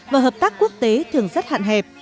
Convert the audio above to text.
và hợp tác quốc tế thường rất hạn hẹp